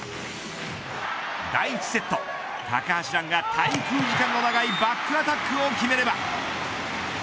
第１セット、高橋藍が滞空時間の長いバックアタックを決めれば。